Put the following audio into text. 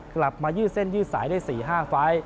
กลับมายืดเส้นยืดสายได้๔๕ฟ้าย